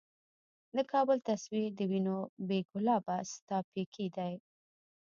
د کـــــــــابل تصویر د وینو ،بې ګلابه ستا پیکی دی